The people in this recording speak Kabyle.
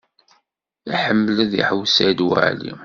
Iḥemmel ad iḥewwes Saɛid Waɛli.